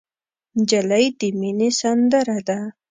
نجلۍ د مینې سندره ده.